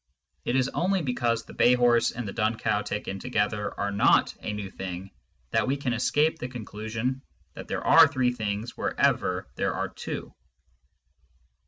It is only because the bay horse and the dun cow taken together are not a new thing that we can escape the conclusion that there are three things wherever there are two.